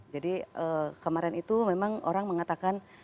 jadi kemarin itu memang orang mengatakan